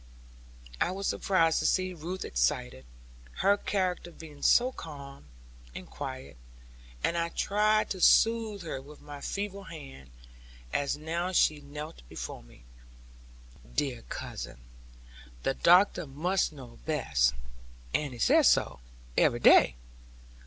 I was surprised to see Ruth excited; her character being so calm and quiet. And I tried to soothe her with my feeble hand, as now she knelt before me. 'Dear cousin, the doctor must know best. Annie says so, every day.